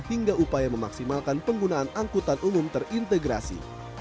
hingga upaya memaksimalkan penggunaan angkutan umum terintegrasi